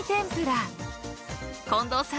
［近藤さん